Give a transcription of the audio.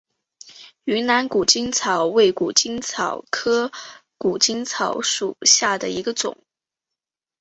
云南谷精草为谷精草科谷精草属下的一个种。